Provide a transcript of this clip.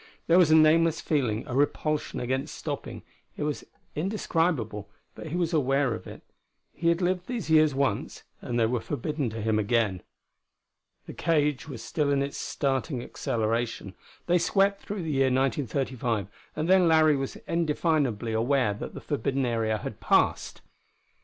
There was a nameless feeling, a repulsion against stopping; it was indescribable, but he was aware of it. He had lived these years once, and they were forbidden to him again. The cage was still in its starting acceleration. They swept through the year 1935, and then Larry was indefinably aware that the forbidden area had passed.